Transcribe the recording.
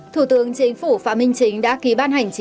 thủ tướng chính phủ phạm minh chính đã ký ban hành chỉ thị